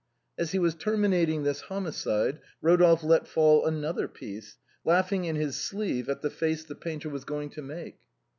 As he was terminating this homicide, Rodolphe let fall another piece, laughing in his sleeve at the face the painter was going to make.